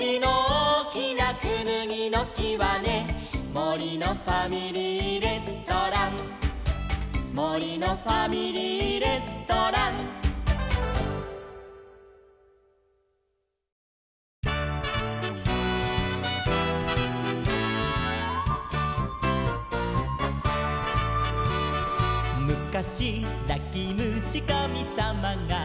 「もりのファミリーレストラン」「もりのファミリーレストラン」「むかしなきむしかみさまが」